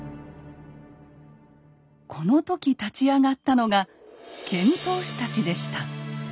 この時立ち上がったのが遣唐使たちでした。